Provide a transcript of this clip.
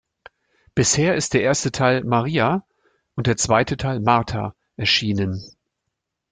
Bisher ist der erste Teil "Maria" und der zweite Teil "Martha" erschienen.